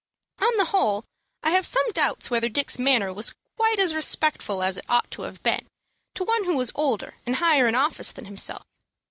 On the whole, I have some doubts whether Dick's manner was quite as respectful as it ought to have been to one who was older and higher in office than himself.